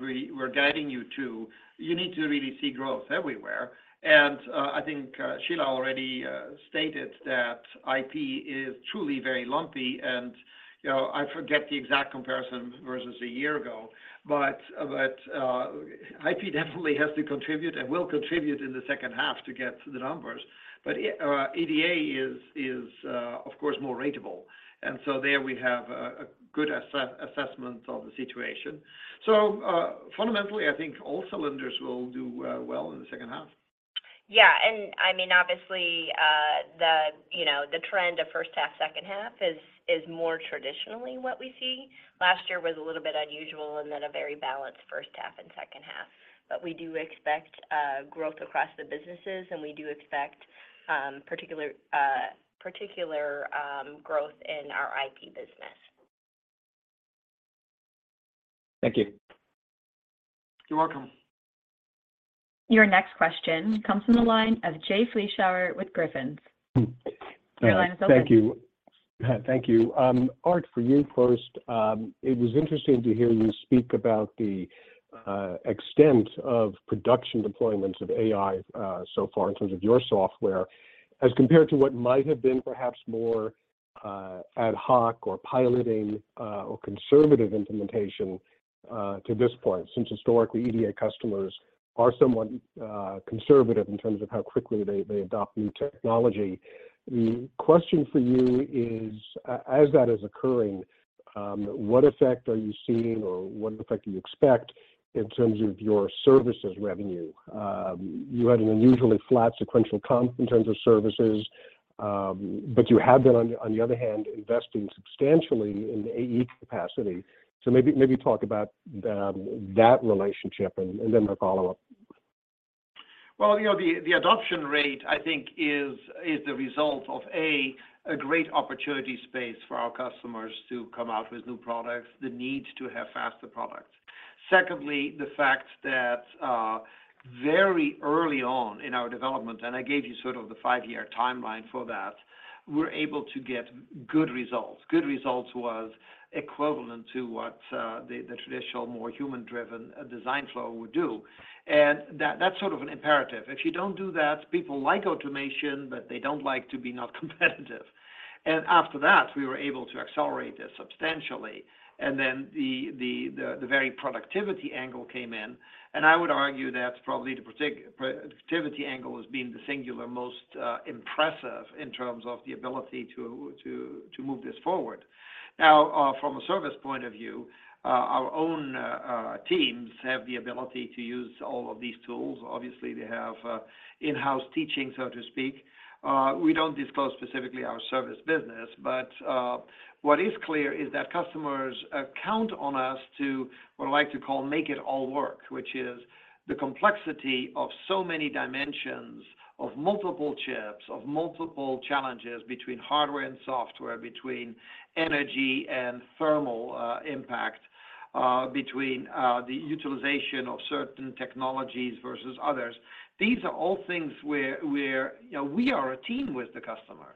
we're guiding you to, you need to really see growth everywhere. I think Sheila already stated that IP is truly very lumpy, and, you know, I forget the exact comparison versus a year ago, but IP definitely has to contribute and will contribute in the second half to get the numbers. EDA is, of course, more ratable. There we have a good assessment of the situation. Fundamentally, I think all cylinders will do well in the second half. Yeah. I mean, obviously, you know, the trend of first half, second half is more traditionally what we see. Last year was a little bit unusual and then a very balanced first half and second half. We do expect growth across the businesses, and we do expect particular growth in our IP business. Thank you. You're welcome. Your next question comes from the line of Jay Vleeschhouwer with Griffin's Securities. Your line is open. Thank you. Thank you. Aart, for you first, it was interesting to hear you speak about the extent of production deployments of AI so far in terms of your software, as compared to what might have been perhaps more ad hoc or piloting or conservative implementation to this point, since historically, EDA customers are somewhat conservative in terms of how quickly they adopt new technology. The question for you is, as that is occurring, what effect are you seeing or what effect do you expect in terms of your services revenue? You had an unusually flat sequential comp in terms of services, you have been, on the other hand, investing substantially in the AE capacity. Maybe talk about the that relationship and then my follow-up. Well, you know, the adoption rate, I think is the result of a great opportunity space for our customers to come out with new products, the need to have faster products. Secondly, the fact that very early on in our development, and I gave you sort of the five-year timeline for that, we're able to get good results. Good results was equivalent to what the traditional, more human-driven design flow would do. That's sort of an imperative. If you don't do that, people like automation, but they don't like to be not competitive. After that, we were able to accelerate this substantially. Then the very productivity angle came in. I would argue that probably the productivity angle has been the singular most impressive in terms of the ability to move this forward. Now, from a service point of view, our own teams have the ability to use all of these tools. Obviously, they have in-house teaching, so to speak. We don't disclose specifically our service business, but what is clear is that customers count on us to, what I like to call make it all work, which is the complexity of so many dimensions of multiple chips, of multiple challenges between hardware and software, between energy and thermal impact. Between the utilization of certain technologies versus others. These are all things where, you know, we are a team with the customer.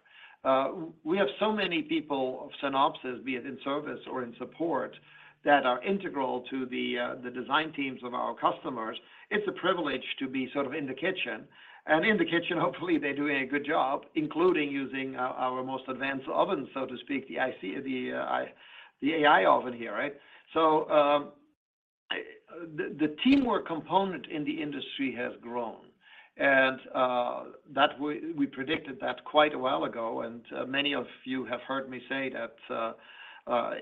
We have so many people of Synopsys, be it in service or in support, that are integral to the design teams of our customers. It's a privilege to be sort of in the kitchen. In the kitchen, hopefully they're doing a good job, including using our most advanced oven, so to speak, the AI oven here, right? The, the teamwork component in the industry has grown. That we predicted that quite a while ago, and many of you have heard me say that,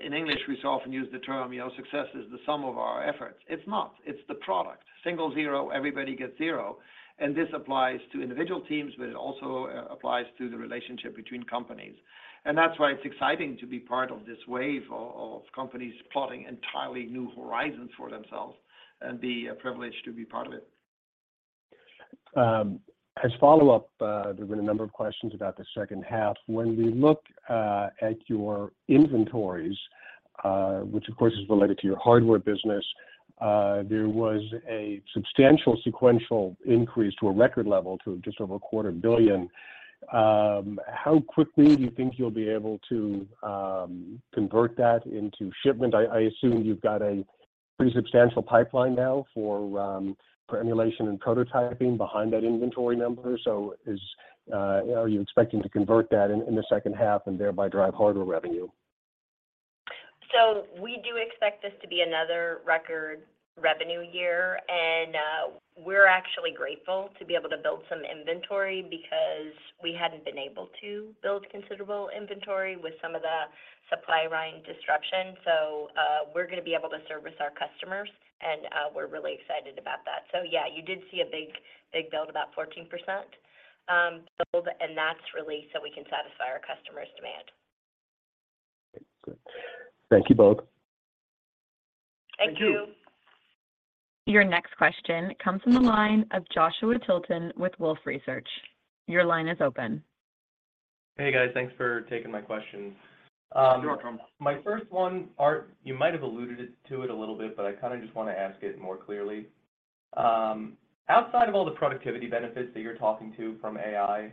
in English, we so often use the term, you know, success is the sum of our efforts. It's not. It's the product. Single zero, everybody gets zero. This applies to individual teams, but it also applies to the relationship between companies. That's why it's exciting to be part of this wave of companies plotting entirely new horizons for themselves and be privileged to be part of it. As follow-up, there's been a number of questions about the second half. When we look at your inventories, which of course is related to your hardware business, there was a substantial sequential increase to a record level to just over a quarter billion. How quickly do you think you'll be able to convert that into shipment? I assume you've got a pretty substantial pipeline now for emulation and prototyping behind that inventory number. Are you expecting to convert that in the second half and thereby drive hardware revenue? We do expect this to be another record revenue year, and we're actually grateful to be able to build some inventory because we hadn't been able to build considerable inventory with some of the supply line disruption. We're gonna be able to service our customers, and we're really excited about that. Yeah, you did see a big, big build, about 14% build, and that's really so we can satisfy our customers' demand. Good. Thank you both. Thank you. Thank you. Your next question comes from the line of Joshua Tilton with Wolfe Research. Your line is open. Hey, guys. Thanks for taking my questions. You're welcome. My first one, Aart, you might have alluded to it a little bit, but I kinda just wanna ask it more clearly. Outside of all the productivity benefits that you're talking to from AI,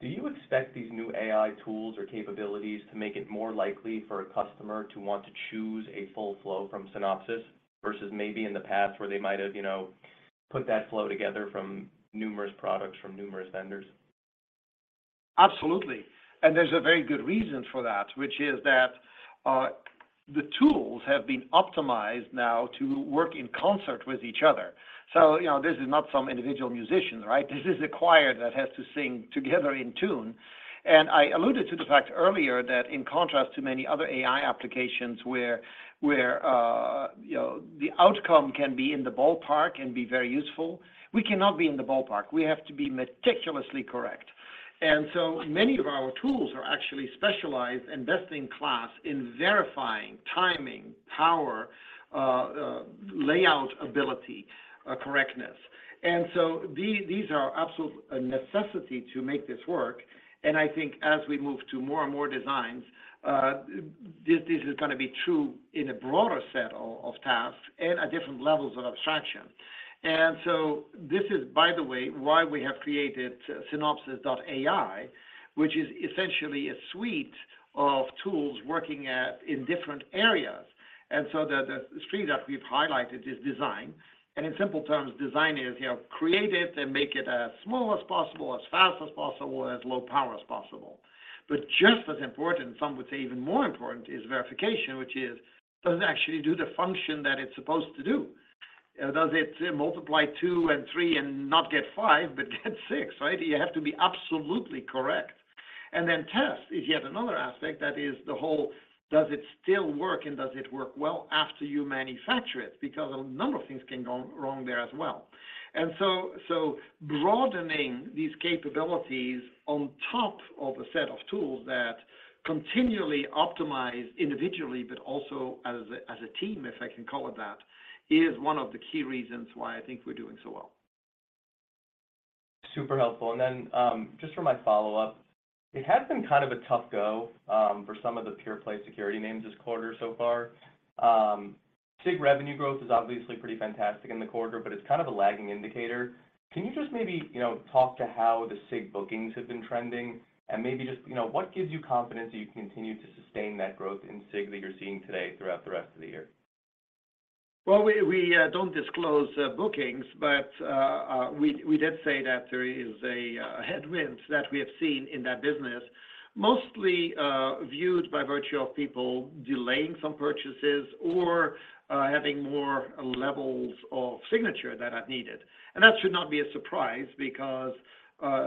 do you expect these new AI tools or capabilities to make it more likely for a customer to want to choose a full flow from Synopsys versus maybe in the past where they might have, you know, put that flow together from numerous products from numerous vendors? Absolutely. There's a very good reason for that, which is that the tools have been optimized now to work in concert with each other. You know, this is not some individual musician, right? This is a choir that has to sing together in tune. I alluded to the fact earlier that in contrast to many other AI applications where, you know, the outcome can be in the ballpark and be very useful, we cannot be in the ballpark. We have to be meticulously correct. Many of our tools are actually specialized and best in class in verifying timing, power, layout ability correctness. So these are absolute a necessity to make this work. I think as we move to more and more designs, this is gonna be true in a broader set of tasks and at different levels of abstraction. This is, by the way, why we have created Synopsys.ai, which is essentially a suite of tools working in different areas. The suite that we've highlighted is design. In simple terms, design is, you know, create it and make it as small as possible, as fast as possible, and as low power as possible. Just as important, some would say even more important, is verification, which is, does it actually do the function that it's supposed to do? Does it multiply two and three and not get five, but get six, right? You have to be absolutely correct. Then test is yet another aspect. That is the whole, does it still work and does it work well after you manufacture it? Because a number of things can go wrong there as well. So broadening these capabilities on top of a set of tools that continually optimize individually, but also as a, as a team, if I can call it that, is one of the key reasons why I think we're doing so well. Super helpful. Just for my follow-up, it has been kind of a tough go, for some of the pure play security names this quarter so far. SIG revenue growth is obviously pretty fantastic in the quarter, but it's kind of a lagging indicator. Can you just maybe, you know, talk to how the SIG bookings have been trending and maybe just, you know, what gives you confidence that you continue to sustain that growth in SIG that you're seeing today throughout the rest of the year? Well, we don't disclose bookings, but we did say that there is a headwind that we have seen in that business, mostly viewed by virtue of people delaying some purchases or having more levels of signature that are needed. That should not be a surprise because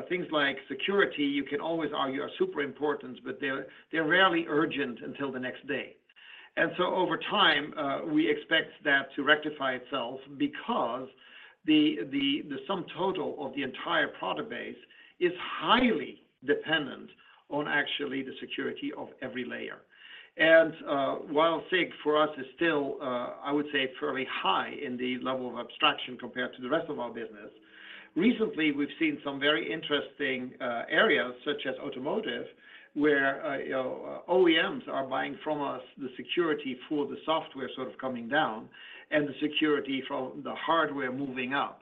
things like security, you can always argue are super important, but they're rarely urgent until the next day. Over time, we expect that to rectify itself because the sum total of the entire product base is highly dependent on actually the security of every layer. While SIG for us is still, I would say fairly high in the level of abstraction compared to the rest of our business. Recently, we've seen some very interesting areas such as automotive, where, you know, OEMs are buying from us the security for the software sort of coming down and the security from the hardware moving up.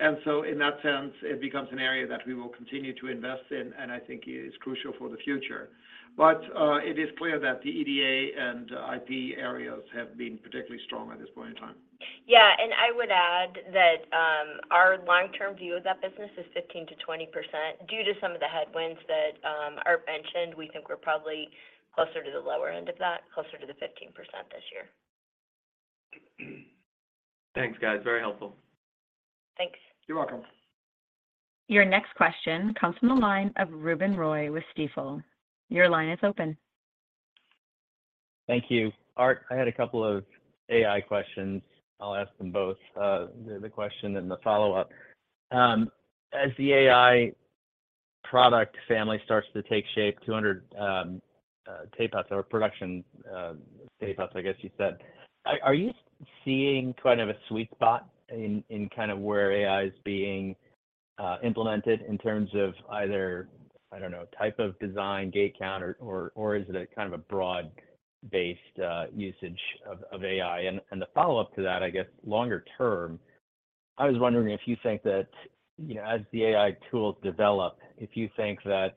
In that sense, it becomes an area that we will continue to invest in, and I think is crucial for the future. It is clear that the EDA and IP areas have been particularly strong at this point in time. Yeah. I would add that, our long-term view of that business is 15%-20%. Due to some of the headwinds that, Art mentioned, we think we're probably closer to the lower end of that, closer to the 15% this year. Thanks, guys. Very helpful. Thanks. You're welcome. Your next question comes from the line of Ruben Roy with Stifel. Your line is open. Thank you. Aart, I had a couple of AI questions. I'll ask them both, the question and the follow-up. As the AI product family starts to take shape, 200 tape outs or production tape outs, I guess you said, are you seeing kind of a sweet spot in kind of where AI is being implemented in terms of either, I don't know, type of design, gate count or is it a kind of a broad-based usage of AI? The follow-up to that, I guess, longer term, I was wondering if you think that, you know, as the AI tools develop, if you think that,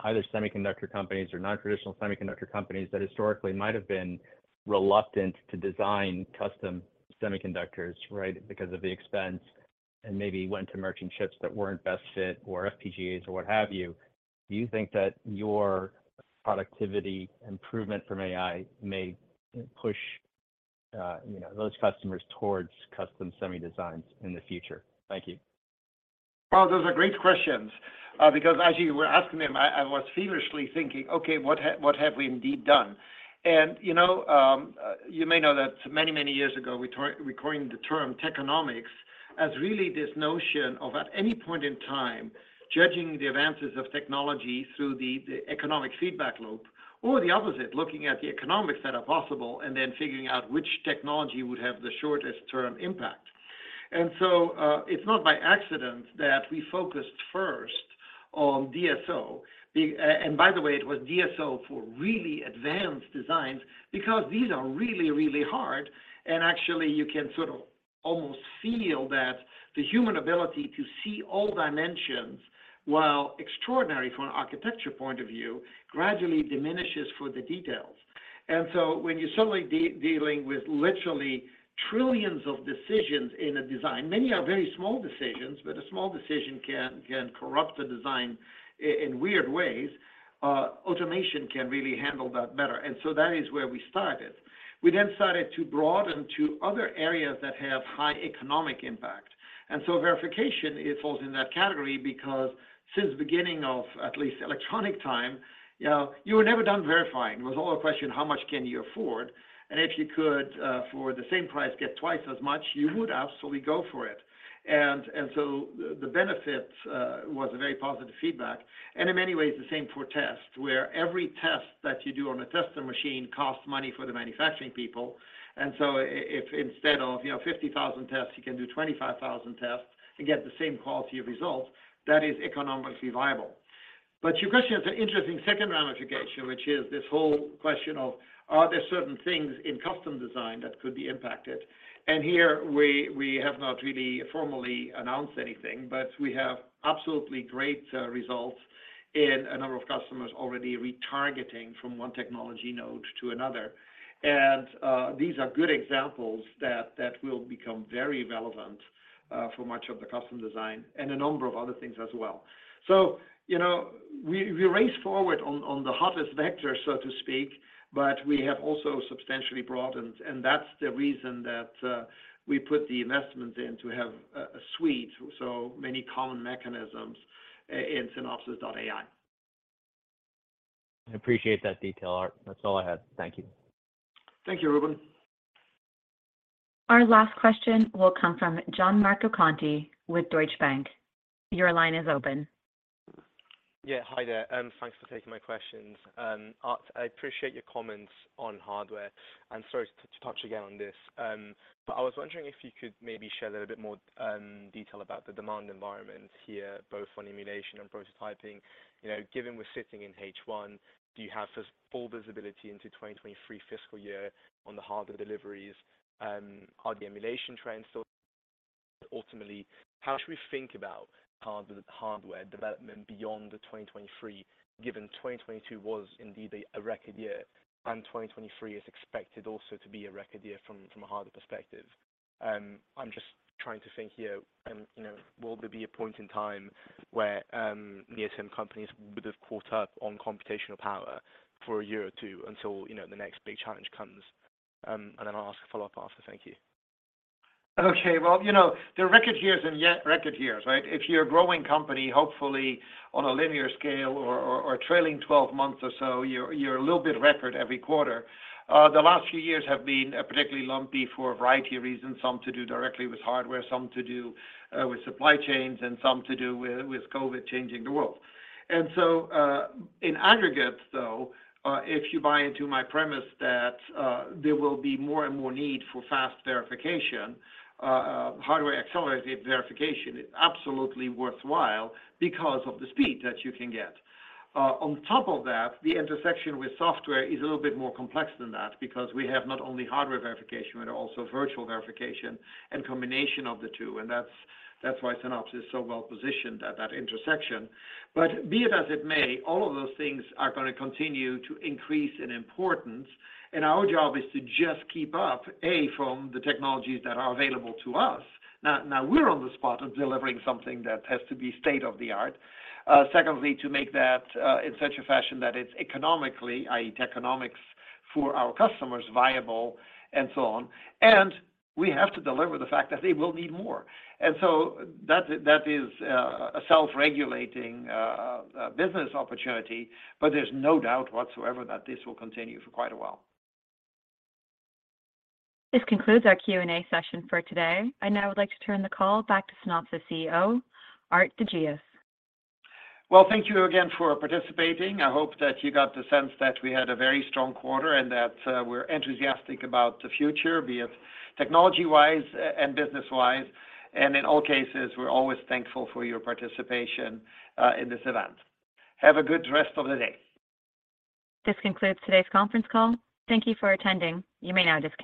either semiconductor companies or non-traditional semiconductor companies that historically might have been reluctant to design custom semiconductors, right, because of the expense and maybe went to merchant chips that weren't best fit or FPGAs or what have you, do you think that your productivity improvement from AI may push, you know, those customers towards custom semi designs in the future? Thank you. Well, those are great questions, because as you were asking them, I was feverishly thinking, okay, what have we indeed done? You know, you may know that many, many years ago, we coined the term techonomics as really this notion of at any point in time, judging the advances of technology through the economic feedback loop or the opposite, looking at the economics that are possible and then figuring out which technology would have the shortest term impact. It's not by accident that we focused first on DSO, and by the way, it was DSO for really advanced designs because these are really, really hard and actually you can sort of almost feel that the human ability to see all dimensions, while extraordinary from an architecture point of view, gradually diminishes for the details. When you're suddenly dealing with literally trillions of decisions in a design, many are very small decisions, but a small decision can corrupt a design in weird ways, automation can really handle that better. That is where we started. We then started to broaden to other areas that have high economic impact. Verification, it falls in that category because since the beginning of at least electronic time, you know, you were never done verifying. It was all a question, how much can you afford? If you could, for the same price, get twice as much, you would absolutely go for it. So the benefit was a very positive feedback. In many ways, the same for test, where every test that you do on a tester machine costs money for the manufacturing people. If instead of, you know, 50,000 tests, you can do 25,000 tests and get the same quality of results, that is economically viable. Your question has an interesting second ramification, which is this whole question of, are there certain things in custom design that could be impacted? Here we have not really formally announced anything, but we have absolutely great results in a number of customers already retargeting from one technology node to another. These are good examples that will become very relevant for much of the custom design and a number of other things as well. You know, we race forward on the hottest vector, so to speak, but we have also substantially broadened, and that's the reason that we put the investment in to have a suite, so many common mechanisms in Synopsys.ai. I appreciate that detail, Art. That's all I had. Thank you. Thank you, Ruben. Our last question will come from Gianmarco Conti with Deutsche Bank. Your line is open. Yeah. Hi there. Thanks for taking my questions. Aart, I appreciate your comments on hardware, sorry to touch again on this. I was wondering if you could maybe share a little bit more detail about the demand environment here, both on emulation and prototyping. You know, given we're sitting in H1, do you have full visibility into 2023 fiscal year on the hardware deliveries? Are the emulation trends still ultimately how should we think about hardware development beyond the 2023, given 2022 was indeed a record year, and 2023 is expected also to be a record year from a hardware perspective? I'm just trying to think here, you know, will there be a point in time where near-term companies would have caught up on computational power for a year or two until, you know, the next big challenge comes? Then I'll ask a follow-up after. Thank you. Okay. Well, you know, they're record years and yet record years, right? If you're a growing company, hopefully on a linear scale or trailing 12 months or so, you're a little bit record every quarter. The last few years have been particularly lumpy for a variety of reasons, some to do directly with hardware, some to do with supply chains, and some to do with COVID changing the world. In aggregate, though, if you buy into my premise that there will be more and more need for fast verification, hardware accelerated verification is absolutely worthwhile because of the speed that you can get. On top of that, the intersection with software is a little bit more complex than that because we have not only hardware verification, but also virtual verification and combination of the two, and that's why Synopsys is so well positioned at that intersection. Be it as it may, all of those things are gonna continue to increase in importance, and our job is to just keep up, A, from the technologies that are available to us. Now we're on the spot of delivering something that has to be state-of-the-art. Secondly, to make that in such a fashion that it's economically, i.e. techonomics for our customers, viable and so on. We have to deliver the fact that they will need more. That's, that is, a self-regulating, business opportunity, but there's no doubt whatsoever that this will continue for quite a while. This concludes our Q&A session for today. I now would like to turn the call back to Synopsys CEO, Aart de Geus. Well, thank you again for participating. I hope that you got the sense that we had a very strong quarter and that we're enthusiastic about the future, be it technology-wise and business-wise, and in all cases, we're always thankful for your participation in this event. Have a good rest of the day. This concludes today's conference call. Thank you for attending. You may now disconnect.